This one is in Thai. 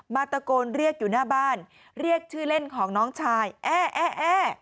ตะโกนเรียกอยู่หน้าบ้านเรียกชื่อเล่นของน้องชายแอ